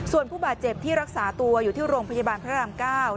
ส่วนผู้บาดเจ็บที่รักษาตัวอยู่ที่โรงพยาบาลพระราม๙